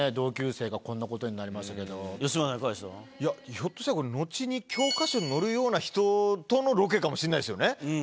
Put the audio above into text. ひょっとしたらこれ後に教科書に載るような人とのロケかもしれないですよね。